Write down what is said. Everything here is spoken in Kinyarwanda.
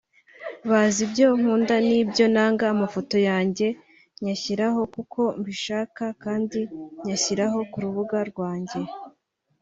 bazi ibyo nkunda n’ibyo nanga… Amafoto yanjye nyashyiraho kuko mbishaka kandi nyashyira kurubuga rwanjye